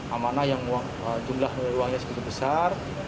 amanah yang jumlah uangnya segitu besar